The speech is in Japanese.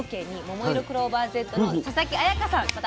ももいろクローバーＺの佐々木彩夏です。